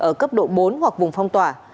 ở cấp độ bốn hoặc vùng phong tỏa